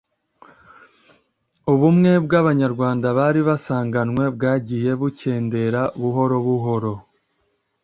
Ubumwe Abanyarwanda bari basanganywe bwagiye bukendera buhoro buhoro.